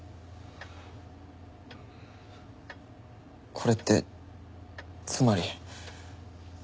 これってつまり。